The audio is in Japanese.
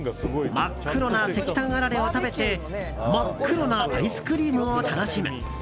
真っ黒な石炭あられを食べて真っ黒なアイスクリームを楽しむ。